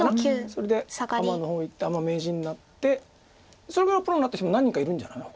それでアマの方いってアマ名人になってそれからプロになった人も何人かいるんじゃない？